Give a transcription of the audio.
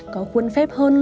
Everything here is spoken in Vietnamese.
có khuôn phép hơn